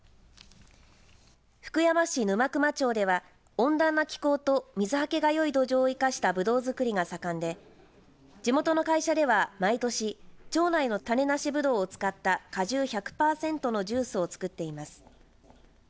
福山市沼隈町では温暖な気候と水はけがよい土壌を生かしたぶどう作りが盛んで地元の会社では毎年町内の種なしぶどうを使った果汁１００パーセントのジュースを作っています。